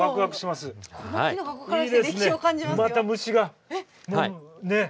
また虫がねえ。